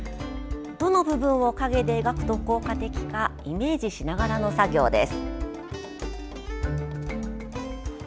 どの部分を影で描くと効果的かイメージしながらの作業です。